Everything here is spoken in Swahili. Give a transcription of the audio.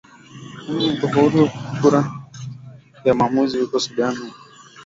kufaulu kwa kura ya maamuzi huko sudan kwa namna moja au nyingine ni manufaa